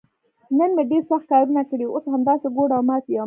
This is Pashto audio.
نن مې ډېر سخت کارونه کړي، اوس همداسې ګوډ او مات یم.